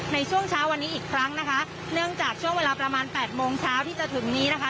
ในช่วงเช้าวันนี้อีกครั้งนะคะเนื่องจากช่วงเวลาประมาณแปดโมงเช้าที่จะถึงนี้นะคะ